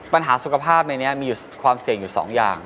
ปัญหาสุขภาพในนี้มีความเสี่ยงอยู่๒อย่าง